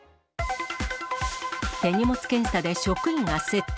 手荷物検査で職員が窃盗。